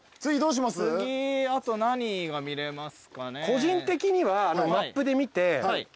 あと何が見れますかね。